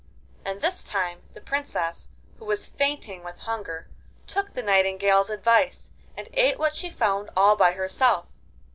And this time the Princess, who was fainting with hunger, took the nightingale's advice, and ate what she found all by herself.